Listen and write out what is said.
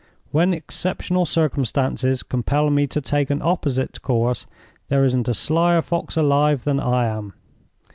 When exceptional circumstances compel me to take an opposite course, there isn't a slyer fox alive than I am.